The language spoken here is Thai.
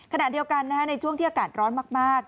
ขณะเดียวกันในช่วงที่อากาศร้อนมาก